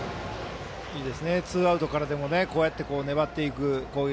ツーアウトからでもこうやって粘っていく攻撃。